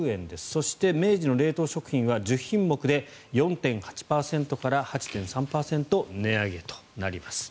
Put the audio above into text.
そして明治の冷凍食品は１０品目で４．８％から８．３％値上げとなります。